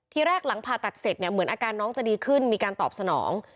ทีแรกหลังผ่าตัดเสร็จเนี่ยเหมือนอาการน้องจะดีขึ้นมีการตอบสนอง